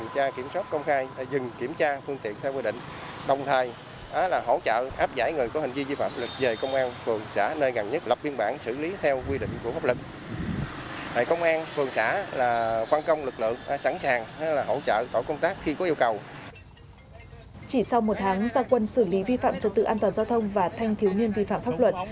chỉ sau một tháng gia quân xử lý vi phạm trật tự an toàn giao thông và thanh thiếu niên vi phạm pháp luật